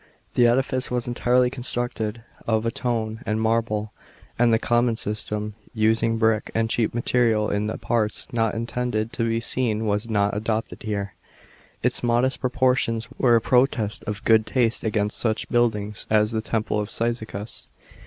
The edifice was entirely constructed of stone and marble; and the common system of u>ing brick and cheap material in the parts not intetided to be seen was not adopted here. Its modest proportion* were a protest of good taste against such buildings as the temple of Cyzicus.